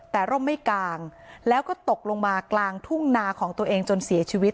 แต่ร่มไม่กลางแล้วก็ตกลงมากลางทุ่งนาของตัวเองจนเสียชีวิต